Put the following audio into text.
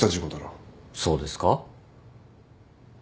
そうですか？